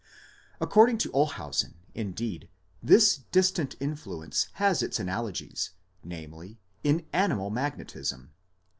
6 According to Olshausen, indeed, this distant influence has its analogies; namely, in animal magnetism."